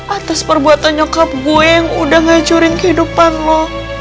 atas perbuatan nyokap gue yang udah ngacurin kehidupan lo